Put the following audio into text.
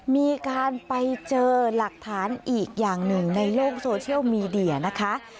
มีการไปเจอหลักฐานอีกอย่างหนึ่งในโลกโซเชียลมีเดียนะคะ